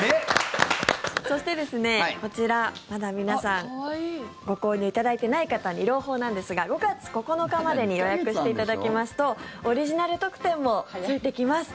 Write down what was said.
そして、こちらまだ皆さんご購入いただいてない方に朗報なんですが５月９日までに予約していただきますとオリジナル特典もついてきます。